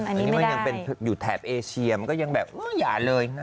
อันนี้มันยังเปลี่ยนอยู่แถบเวียนแล้วก็ยักษ์เลยนะ